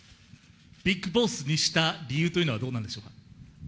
ビッグボスにした理由というのはどうなんでしょうか。